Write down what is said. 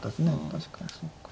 確かにそうか。